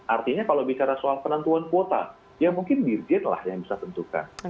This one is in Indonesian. artinya kalau bicara soal penentuan kuota ya mungkin dirjen lah yang bisa tentukan